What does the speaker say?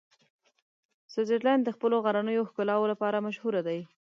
سویټزرلنډ د خپلو غرنیو ښکلاوو لپاره مشهوره دی.